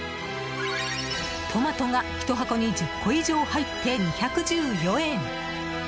トマトが１箱に１０個以上入って２１４円。